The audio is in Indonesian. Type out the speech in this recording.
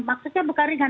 maksudnya bukan ringan